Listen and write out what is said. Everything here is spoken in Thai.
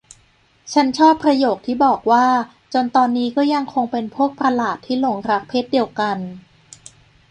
ฉันชอบประโยคที่บอกว่า จนตอนนี้ก็ยังคงเป็นพวกตัวประหลาดที่หลงรักเพศเดียวกัน